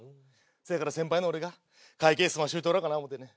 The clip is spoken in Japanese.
せやから先輩の俺が会計済ましといたろうかな思うてね。